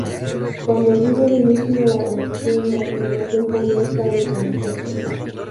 Cuando River inicia la conexión, la simulación comienza a desvanecerse.